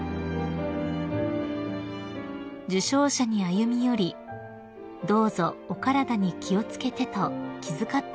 ［受章者に歩み寄り「どうぞお体に気を付けて」と気遣っていらっしゃいました］